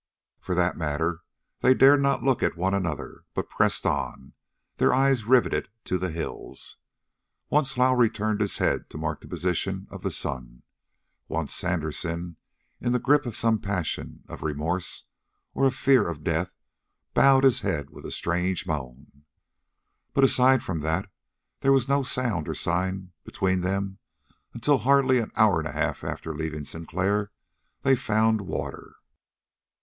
For that matter they dared not look at one another, but pressed on, their eyes riveted to the hills. Once Lowrie turned his head to mark the position of the sun. Once Sandersen, in the grip of some passion of remorse or of fear of death, bowed his head with a strange moan. But, aside from that, there was no sound or sign between them until, hardly an hour and a half after leaving Sinclair, they found water.